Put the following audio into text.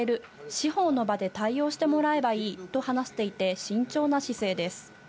司法の場で対応してもらえばいいと話していて、慎重な姿勢です。